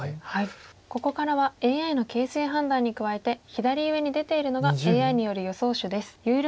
ここからはＡＩの形勢判断に加えて左上に出ているのがＡＩによる予想手です。